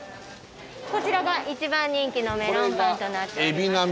こちらが一番人気のメロンパンとなっております。